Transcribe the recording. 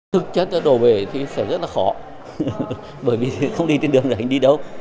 thực chất đổ bể thì sẽ rất là khó bởi vì không đi trên đường thì anh đi đâu